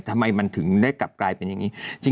ทำไมมันถึงได้กลับกลายเป็นอย่างนี้